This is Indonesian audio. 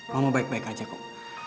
ngomong baik baik aja kok